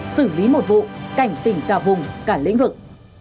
xử lý một vụ cảnh tỉnh cả vùng cả lĩnh vực